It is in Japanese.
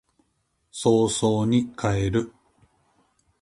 早々に帰る